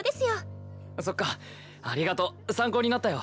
そっかありがとう参考になったよ。